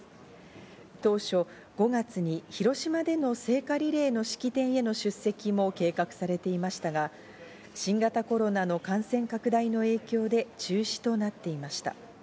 当初、５月に広島での聖火リレーの式典への出席も計画されていましたが、新型コロナの感染拡大の影響で中止となっていました。